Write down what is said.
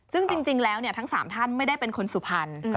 ซึ่งจริงแล้วทั้ง๓ท่านไม่ได้เป็นคนสุพรรณ